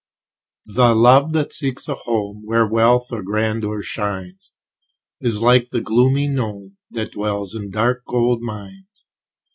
The love that seeks a home Where wealth or grandeur shines, Is like the gloomy gnome, That dwells in dark gold mines.